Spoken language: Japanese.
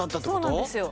そうなんですよ